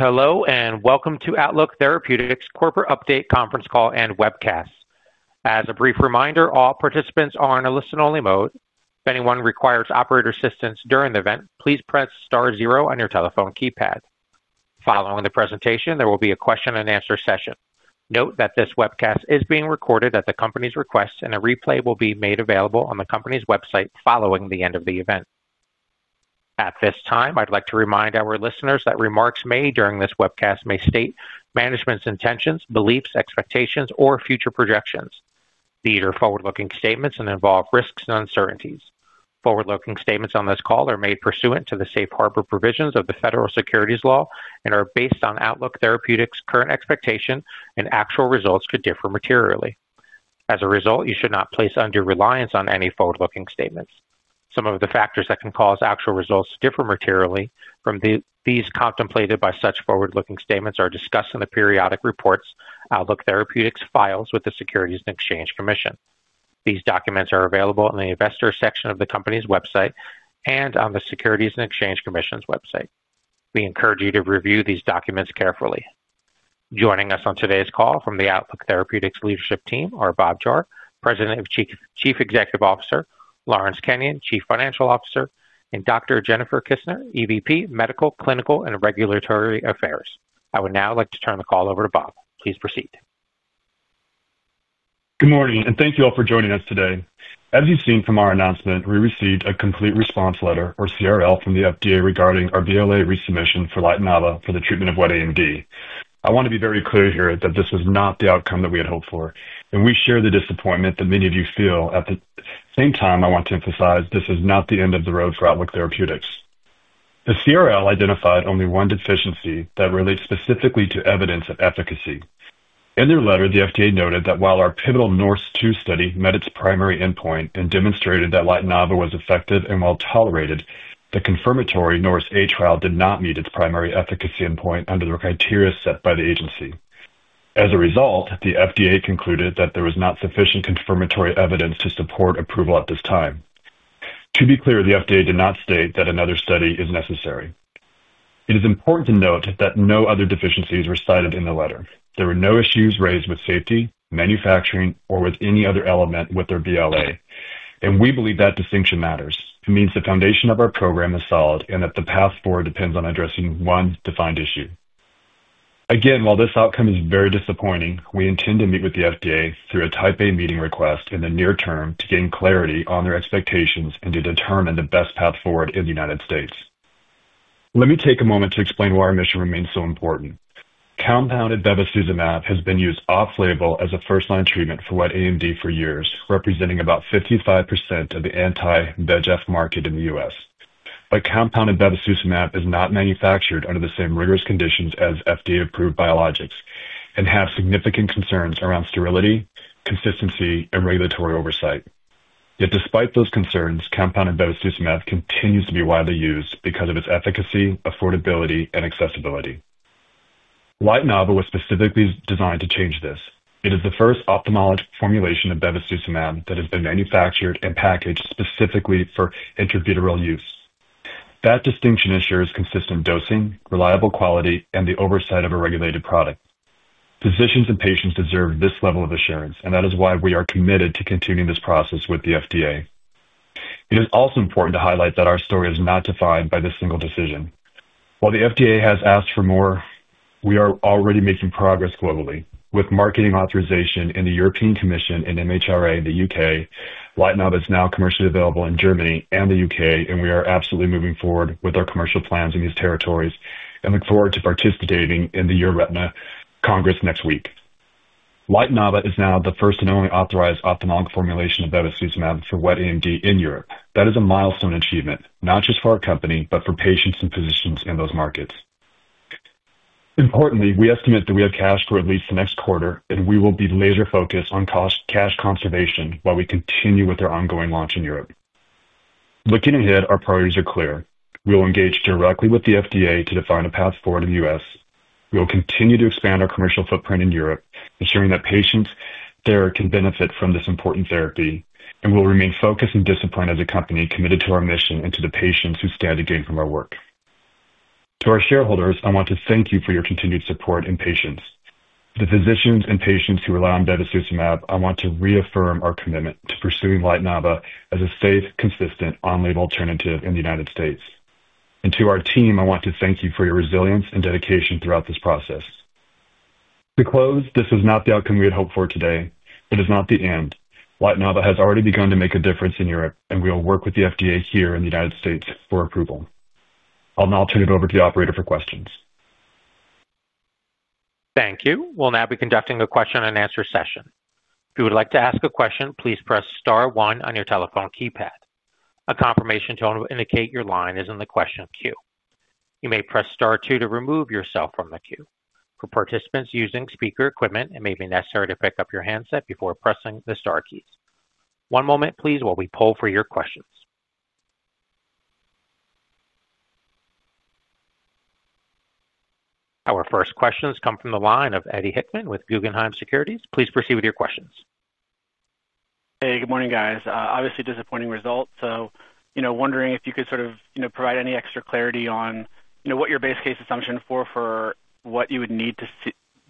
Hello and welcome to Outlook Therapeutics' corporate update conference call and webcast. As a brief reminder, all participants are in a listen-only mode. If anyone requires operator assistance during the event, please press *0 on your telephone keypad. Following the presentation, there will be a question and answer session. Note that this webcast is being recorded at the company's request, and a replay will be made available on the company's website following the end of the event. At this time, I'd like to remind our listeners that remarks made during this webcast may state management's intentions, beliefs, expectations, or future projections. These are forward-looking statements and involve risks and uncertainties. Forward-looking statements on this call are made pursuant to the safe harbor provisions of the Federal Securities Law and are based on Outlook Therapeutics' current expectation and actual results could differ materially. As a result, you should not place undue reliance on any forward-looking statements. Some of the factors that can cause actual results to differ materially from those contemplated by such forward-looking statements are discussed in the periodic reports Outlook Therapeutics files with the Securities and Exchange Commission. These documents are available in the Investors section of the company's website and on the Securities and Exchange Commission's website. We encourage you to review these documents carefully. Joining us on today's call from the Outlook Therapeutics leadership team are Bob Jahr, President and Chief Executive Officer; Lawrence Kenyon, Chief Financial Officer; and Dr. Jennifer Kissner, EVP, Medical, Clinical, and Regulatory Affairs. I would now like to turn the call over to Bob. Please proceed. Good morning, and thank you all for joining us today. As you've seen from our announcement, we received a Complete Response Letter, or CRL, from the FDA regarding our BLA resubmission for LYTENAVA for the treatment of wet AMD. I want to be very clear here that this was not the outcome that we had hoped for, and we share the disappointment that many of you feel. At the same time, I want to emphasize this is not the end of the road for Outlook Therapeutics. The CRL identified only one deficiency that relates specifically to evidence of efficacy. In their letter, the FDA noted that while our pivotal NORSE TWO study met its primary endpoint and demonstrated that LYTENAVA was effective and well tolerated, the confirmatory NORSE ONE trial did not meet its primary efficacy endpoint under the criteria set by the agency. As a result, the FDA concluded that there was not sufficient confirmatory evidence to support approval at this time. To be clear, the FDA did not state that another study is necessary. It is important to note that no other deficiencies were cited in the letter. There were no issues raised with safety, manufacturing, or with any other element with our BLA, and we believe that distinction matters. It means the foundation of our program is solid and that the path forward depends on addressing one defined issue. Again, while this outcome is very disappointing, we intend to meet with the FDA through a Type A meeting request in the near term to gain clarity on their expectations and to determine the best path forward in the U.S. Let me take a moment to explain why our mission remains so important. Compounded bevacizumab has been used off-label as a first-line treatment for wet AMD for years, representing about 55% of the anti-VEGF market in the U.S. Compounded bevacizumab is not manufactured under the same rigorous conditions as FDA-approved biologics and has significant concerns around sterility, consistency, and regulatory oversight. Yet, despite those concerns, compounded bevacizumab continues to be widely used because of its efficacy, affordability, and accessibility. LYTENAVA was specifically designed to change this. It is the first ophthalmic formulation of bevacizumab that has been manufactured and packaged specifically for intravitreal use. That distinction ensures consistent dosing, reliable quality, and the oversight of a regulated product. Physicians and patients deserve this level of assurance, and that is why we are committed to continuing this process with the FDA. It is also important to highlight that our story is not defined by this single decision. While the FDA has asked for more, we are already making progress globally. With marketing authorization in the European Commission and Medicines and Healthcare products Regulatory Agency in the UK, LYTENAVA is now commercially available in Germany and the UK, and we are absolutely moving forward with our commercial plans in these territories and look forward to participating in the EUR-RETINA Congress next week. LYTENAVA is now the first and only authorized ophthalmologist formulation of bevacizumab for wet AMD in Europe. That is a milestone achievement, not just for our company, but for patients and physicians in those markets. Importantly, we estimate that we have cash for at least the next quarter, and we will be laser-focused on cost cash conservation while we continue with our ongoing launch in Europe. Looking ahead, our priorities are clear. We will engage directly with the FDA to define a path forward in the U.S. We will continue to expand our commercial footprint in Europe, ensuring that patients there can benefit from this important therapy, and we will remain focused and disciplined as a company, committed to our mission and to the patients who stand to gain from our work. To our shareholders, I want to thank you for your continued support and patience. To the physicians and patients who rely on bevacizumab, I want to reaffirm our commitment to pursuing LYTENAVA as a safe, consistent, on-label alternative in the United States. To our team, I want to thank you for your resilience and dedication throughout this process. To close, this was not the outcome we had hoped for today. It is not the end. LYTENAVA has already begun to make a difference in Europe, and we will work with the FDA here in the United States for approval. I'll now turn it over to the operator for questions. Thank you. We'll now be conducting a question and answer session. If you would like to ask a question, please press *1 on your telephone keypad. A confirmation tone will indicate your line is in the question queue. You may press *2 to remove yourself from the queue. For participants using speaker equipment, it may be necessary to pick up your handset before pressing the * keys. One moment, please, while we pull for your questions. Our first questions come from the line of Eddie Hickman with Guggenheim Securities. Please proceed with your questions. Hey, good morning, guys. Obviously, disappointing result. I was wondering if you could provide any extra clarity on what your base case assumption for what you would need to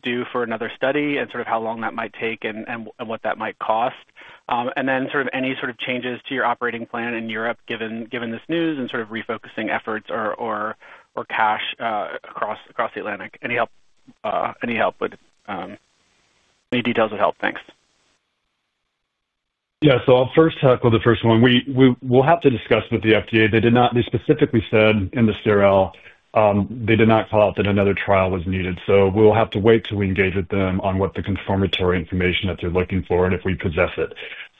do for another study is and how long that might take and what that might cost. Are there any changes to your operating plan in Europe given this news and refocusing efforts or cash across the Atlantic? Any help or details would help. Thanks. Yeah, so I'll first tackle the first one. We will have to discuss with the FDA. They did not, they specifically said in the CRL, they did not call out that another trial was needed. We will have to wait till we engage with them on what the confirmatory information that they're looking for and if we possess it.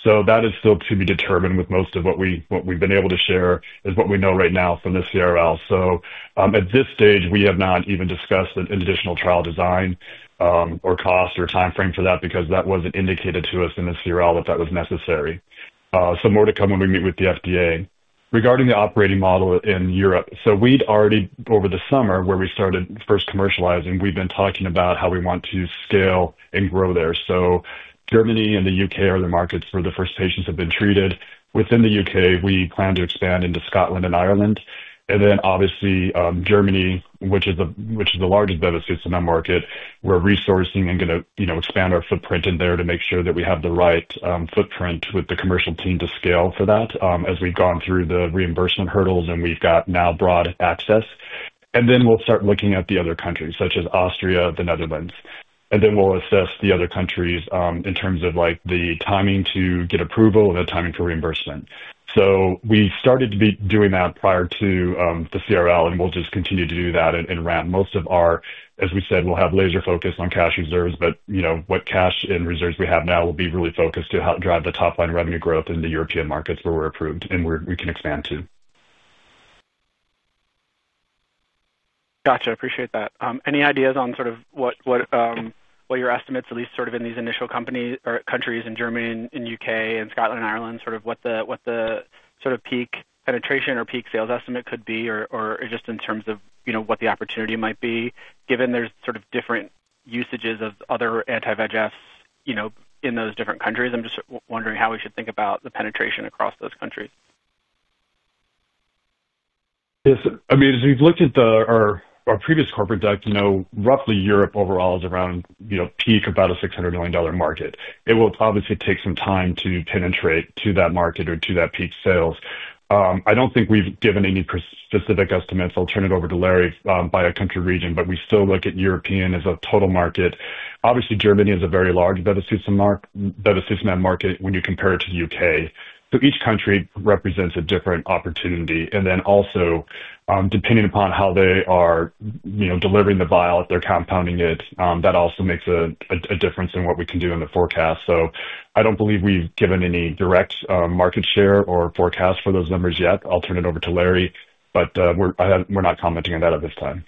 That is still to be determined with most of what we've been able to share is what we know right now from the CRL. At this stage, we have not even discussed an additional trial design or cost or timeframe for that because that wasn't indicated to us in the CRL that that was necessary. More to come when we meet with the FDA. Regarding the operating model in Europe, we'd already, over the summer where we started first commercializing, been talking about how we want to scale and grow there. Germany and the UK are the markets where the first patients have been treated. Within the UK, we plan to expand into Scotland and Ireland. Germany, which is the largest bevacizumab market, we're resourcing and going to expand our footprint in there to make sure that we have the right footprint with the commercial team to scale for that as we've gone through the reimbursement hurdles and we've got now broad access. We will start looking at the other countries such as Austria and the Netherlands. We will assess the other countries in terms of the timing to get approval and the timing for reimbursement. We started to be doing that prior to the CRL and we'll just continue to do that and ramp most of our, as we said, we'll have laser focus on cash reserves, but what cash and reserves we have now will be really focused to drive the top line revenue growth in the European markets where we're approved and where we can expand to. Gotcha. Appreciate that. Any ideas on what your estimates, at least in these initial countries in Germany, UK, Scotland, and Ireland, what the peak penetration or peak sales estimate could be or just in terms of what the opportunity might be given there's different usages of other anti-VEGFs in those different countries? I'm just wondering how we should think about the penetration across those countries. Yes, as we've looked at our previous corporate deck, roughly Europe overall is around, you know, peak about a $600 million market. It will obviously take some time to penetrate to that market or to that peak sales. I don't think we've given any specific estimates. I'll turn it over to Larry by a country region, but we still look at Europe as a total market. Obviously, Germany is a very large bevacizumab market when you compare it to the UK. Each country represents a different opportunity. Also, depending upon how they are delivering the vial, if they're compounding it, that also makes a difference in what we can do in the forecast. I don't believe we've given any direct market share or forecast for those numbers yet. I'll turn it over to Larry, but we're not commenting on that at this time.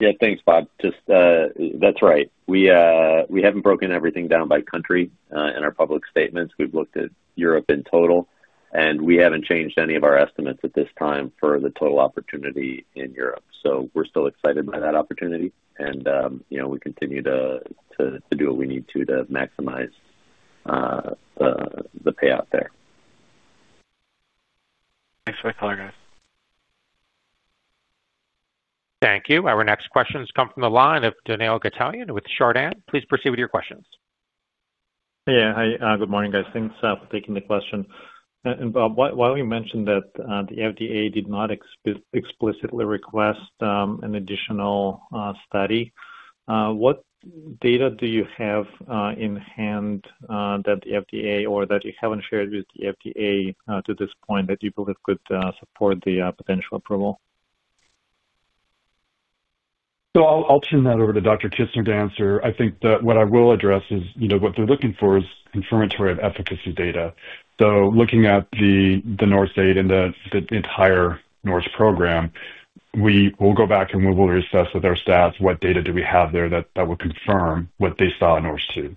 Yeah, thanks, Bob. That's right. We haven't broken everything down by country in our public statements. We've looked at Europe in total, and we haven't changed any of our estimates at this time for the total opportunity in Europe. We're still excited by that opportunity, and we continue to do what we need to to maximize the payout there. Thanks for that call, guys. Thank you. Our next questions come from the line of Danielle Gattalian with Chardan. Please proceed with your questions. Yeah, hi. Good morning, guys. Thanks for taking the question. Bob, while you mentioned that the FDA did not explicitly request an additional study, what data do you have in hand that the FDA or that you haven't shared with the FDA to this point that you believe could support the potential approval? I'll turn that over to Dr. Kissner to answer. I think that what I will address is, you know, what they're looking for is confirmatory of efficacy data. Looking at the NORSE 8 and the entire NORSE program, we will go back and we will assess with our stats, what data do we have there that will confirm what they saw in NORSE TWO.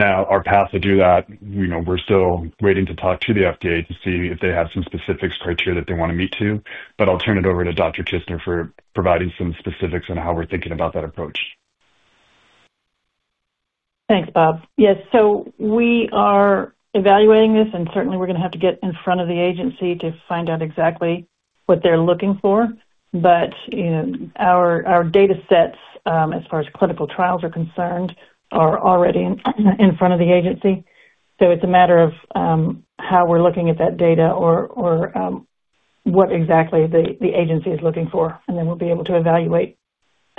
Our path to do that, you know, we're still waiting to talk to the FDA to see if they have some specific criteria that they want to meet too, but I'll turn it over to Dr. Kissner for providing some specifics on how we're thinking about that approach. Thanks, Bob. Yes, we are evaluating this, and certainly we're going to have to get in front of the agency to find out exactly what they're looking for. Our data sets, as far as clinical trials are concerned, are already in front of the agency. It is a matter of how we're looking at that data or what exactly the agency is looking for, and then we'll be able to evaluate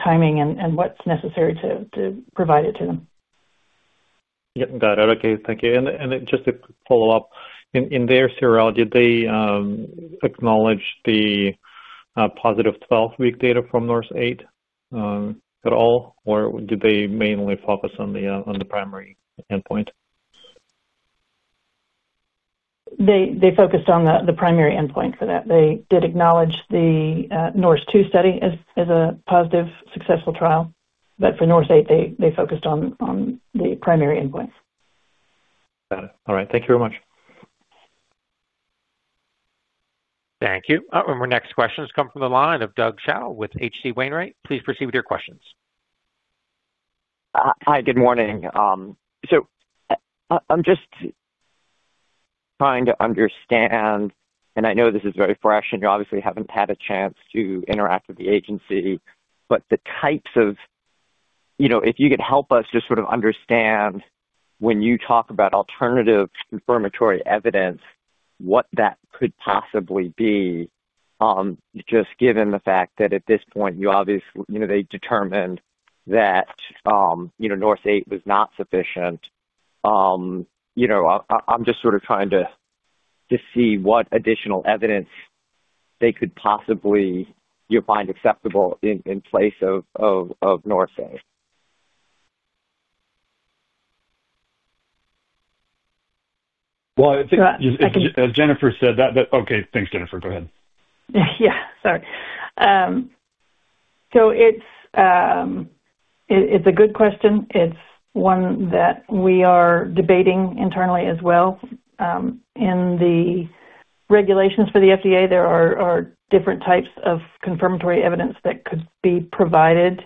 timing and what's necessary to provide it to them. Okay, thank you. Just to follow up, in their CRL, did they acknowledge the positive 12-week data from NORSE TWO at all, or did they mainly focus on the primary endpoint? They focused on the primary endpoint for that. They did acknowledge the NORSE TWO study as a positive, successful trial, but for NORSE EIGHT, they focused on the primary endpoints. Got it. All right. Thank you very much. Thank you. Our next questions come from the line of Doug Schau with H.C. Wainwright. Please proceed with your questions. Hi, good morning. I'm just trying to understand, and I know this is very fresh, and you obviously haven't had a chance to interact with the agency, but if you could help us just sort of understand when you talk about alternative confirmatory evidence, what that could possibly be, just given the fact that at this point, you obviously, you know, they determined that, you know, NORSE ONE was not sufficient. I'm just sort of trying to see what additional evidence they could possibly find acceptable in place of NORSE ONE. I think, as Jennifer said, thanks, Jennifer. Go ahead. It's a good question. It's one that we are debating internally as well. In the regulations for the FDA, there are different types of confirmatory evidence that could be provided,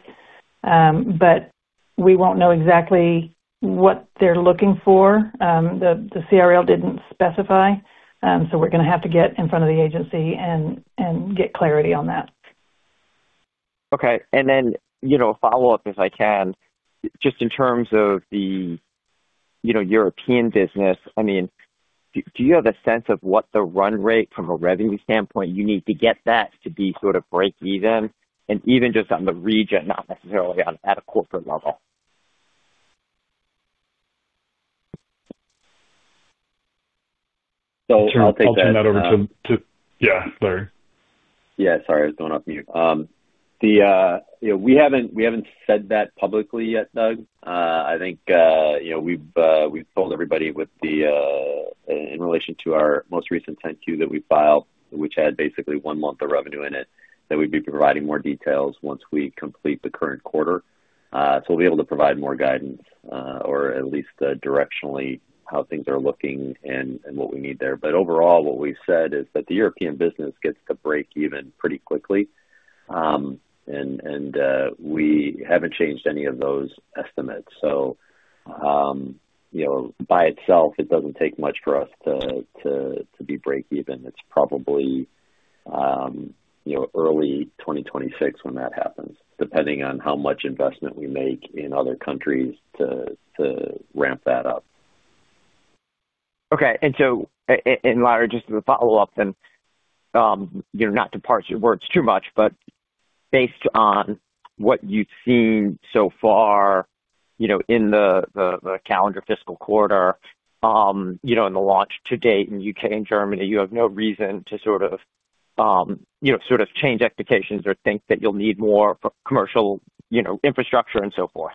but we won't know exactly what they're looking for. The CRL didn't specify, so we're going to have to get in front of the agency and get clarity on that. Okay. A follow-up, if I can, just in terms of the European business, do you have a sense of what the run rate from a revenue standpoint you need to get that to be sort of break-even? Even just on the region, not necessarily at a corporate level. I'll turn that over to Larry. Sorry, I was going off mute. We haven't said that publicly yet, Doug. I think we've told everybody in relation to our most recent 10-Q that we filed, which had basically one month of revenue in it, that we'd be providing more details once we complete the current quarter. We'll be able to provide more guidance, or at least directionally how things are looking and what we need there. Overall, what we've said is that the European business gets to break even pretty quickly. We haven't changed any of those estimates. By itself, it doesn't take much for us to be break-even. It's probably early 2026 when that happens, depending on how much investment we make in other countries to ramp that up. Okay. Larry, just as a follow-up, not to parse your words too much, but based on what you've seen so far in the calendar fiscal quarter, in the launch to date in the UK and Germany, you have no reason to sort of change expectations or think that you'll need more commercial infrastructure and so forth.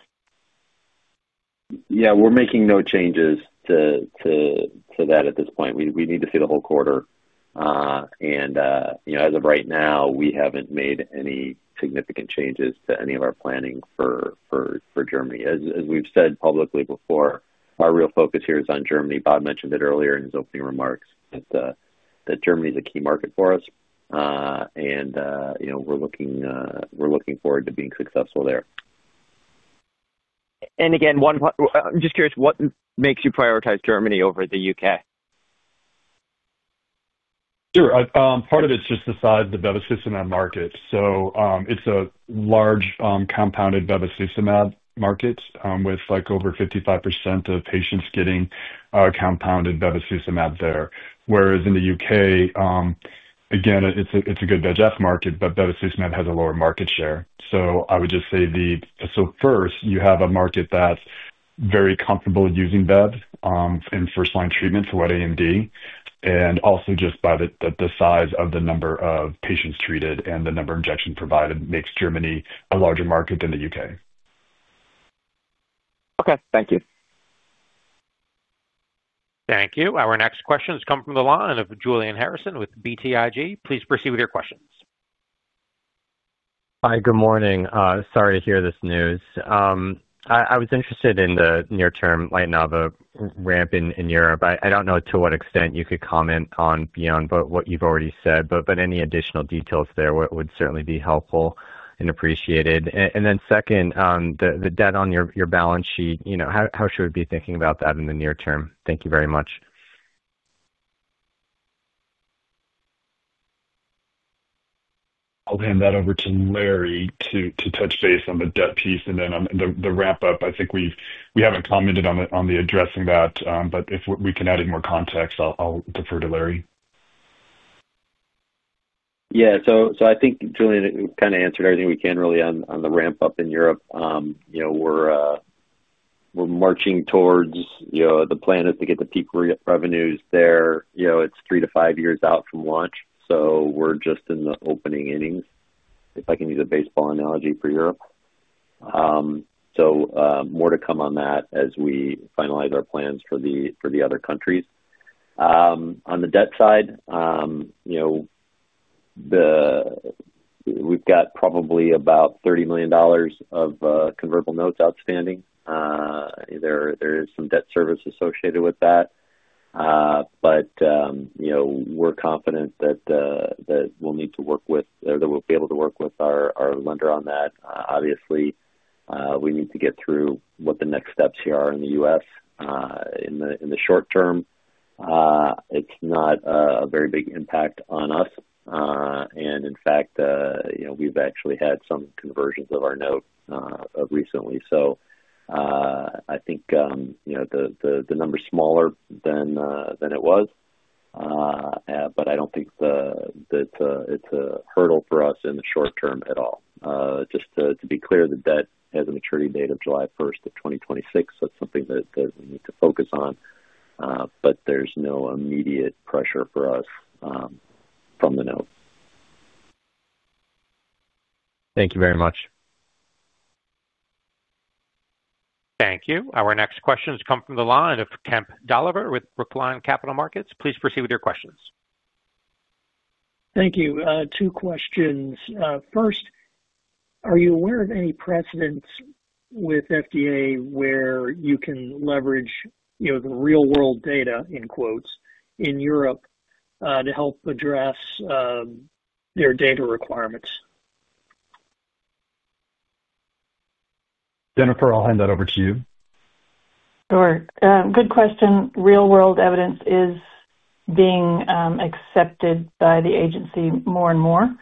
Yeah, we're making no changes to that at this point. We need to see the whole quarter. As of right now, we haven't made any significant changes to any of our planning for Germany. As we've said publicly before, our real focus here is on Germany. Bob Jahr mentioned it earlier in his opening remarks that Germany is a key market for us. We're looking forward to being successful there. I'm just curious, what makes you prioritize Germany over the UK? Part of it's just the size of the bevacizumab market. It's a large compounded bevacizumab market with over 55% of patients getting compounded bevacizumab there. Whereas in the UK, it's a good VEGF market, but bevacizumab has a lower market share. First, you have a market that's very comfortable using BEV in first-line treatment for wet AMD. Also, just by the size of the number of patients treated and the number of injections provided, Germany is a larger market than the UK. Okay, thank you. Thank you. Our next questions come from the line of Julian Harrison with BTIG. Please proceed with your questions. Hi, good morning. Sorry to hear this news. I was interested in the near-term LYTENAVA ramp in Europe. I don't know to what extent you could comment on beyond what you've already said, but any additional details there would certainly be helpful and appreciated. The debt on your balance sheet, you know, how should we be thinking about that in the near term? Thank you very much. I'll hand that over to Larry to touch base on the debt piece and then the ramp-up. I think we haven't commented on addressing that, but if we can add any more context, I'll defer to Larry. Yeah, I think Julian kind of answered everything we can really on the ramp-up in Europe. We're marching towards the plan to get the peak revenues there. It's three to five years out from launch. We're just in the opening innings, if I can use a baseball analogy for Europe. More to come on that as we finalize our plans for the other countries. On the debt side, we've got probably about $30 million of convertible notes outstanding. There is some debt service associated with that. We're confident that we'll need to work with, that we'll be able to work with our lender on that. Obviously, we need to get through what the next steps here are in the U.S. In the short term, it's not a very big impact on us. In fact, we've actually had some conversions of our note recently. I think the number is smaller than it was. I don't think that it's a hurdle for us in the short term at all. Just to be clear, the debt has a maturity date of July 1, 2026. That's something that we need to focus on. There's no immediate pressure for us from the note. Thank you very much. Thank you. Our next questions come from the line of Kemp Dolliver with Brookline Capital Markets. Please proceed with your questions. Thank you. Two questions. First, are you aware of any precedents with the FDA where you can leverage the real-world data in Europe to help address their data requirements? Jennifer, I'll hand that over to you. Sure. Good question. Real-world evidence is being accepted by the agency more and more.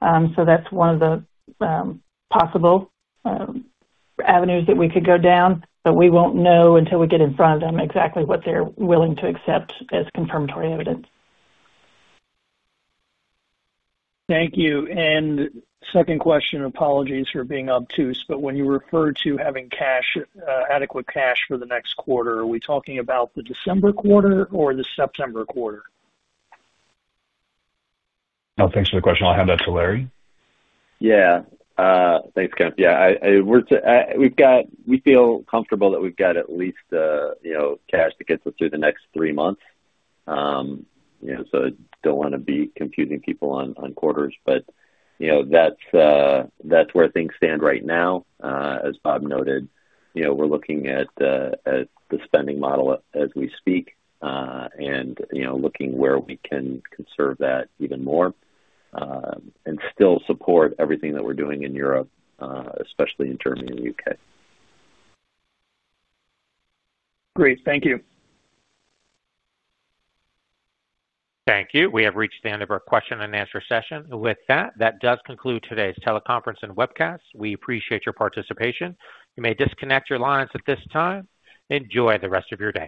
That is one of the possible avenues that we could go down, but we won't know until we get in front of them exactly what they're willing to accept as confirmatory evidence. Thank you. Second question, apologies for being obtuse, but when you refer to having cash, adequate cash for the next quarter, are we talking about the December quarter or the September quarter? Oh, thanks for the question. I'll hand that to Larry. Yeah. Thanks, Kemp. We've got, we feel comfortable that we've got at least, you know, cash to get through the next three months. I don't want to be confusing people on quarters, but that's where things stand right now. As Bob noted, we're looking at the spending model as we speak and looking where we can conserve that even more and still support everything that we're doing in Europe, especially in Germany and the UK. Great. Thank you. Thank you. We have reached the end of our question and answer session. With that, that does conclude today's teleconference and webcast. We appreciate your participation. You may disconnect your lines at this time. Enjoy the rest of your day.